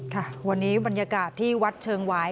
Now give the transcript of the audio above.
ค่ะวันนี้บรรยากาศที่วัดเชิงหวาย